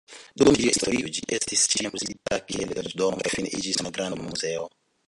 Dum ĝia historio ĝi estis ĉiam uzita kiel loĝdomo kaj fine iĝis malgranda muzeo.